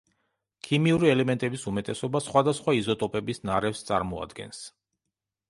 ქიმიური ელემენტების უმეტესობა სხვადასხვა იზოტოპების ნარევს წარმოადგენს.